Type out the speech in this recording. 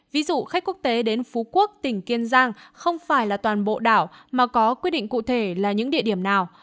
ví dụ khách quốc tế đến phú quốc tỉnh kiên giang không phải là toàn bộ đảo mà có quy định cụ thể là những địa điểm nào